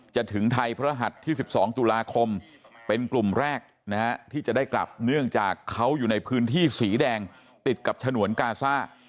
ถึงไทยพระหัสที่๑๒ตุลาคมเป็นกลุ่มแรกนะฮะที่จะได้กลับเนื่องจากเขาอยู่ในพื้นที่สีแดงติดกับฉนวนกาซ่า